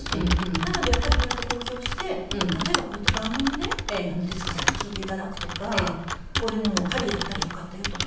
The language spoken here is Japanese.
なのでやっぱりこうやって公表して例えばこういった番組で徹子さんに聞いていただくとかこういうのを鍼やったら良かったよとか。